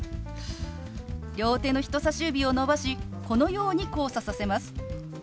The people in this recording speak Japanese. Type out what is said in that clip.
両手の人さし指を伸ばしこのように交差させます。